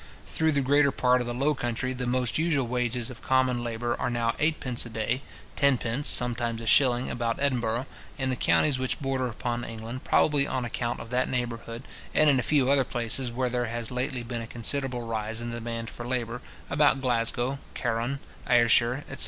Through the greater part of the Low country, the most usual wages of common labour are now eight pence a day; tenpence, sometimes a shilling, about Edinburgh, in the counties which border upon England, probably on account of that neighbourhood, and in a few other places where there has lately been a considerable rise in the demand for labour, about Glasgow, Carron, Ayrshire, etc.